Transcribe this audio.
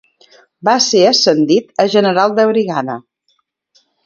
Va ser ascendit a general de brigada.